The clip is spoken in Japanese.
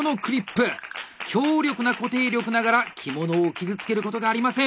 強力な固定力ながら着物を傷つけることがありません！